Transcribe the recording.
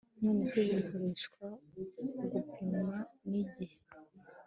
nonese bikoreshwa gupimwa nigihe